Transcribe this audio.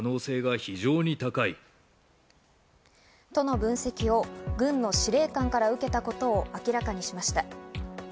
分析を軍の司令官から受けたことを明らかにしました。